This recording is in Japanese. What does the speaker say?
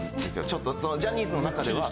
ちょっとジャニーズの中では。